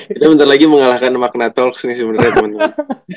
kita bentar lagi mengalahkan makna talks nih sebenarnya teman teman